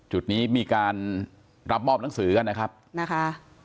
จุดนี้มีการรับมอบหนังสือกันนะครับนะคะ